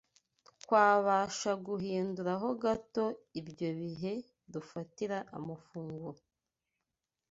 Twabasha guhinduraho gato ibyo bihe dufatira amafunguro